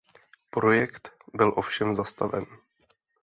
Projekt byl ovšem zastaven.